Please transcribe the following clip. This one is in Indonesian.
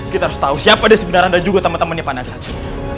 kita harus tahu siapa di sebenarnya dan juga teman temannya pak nagaraja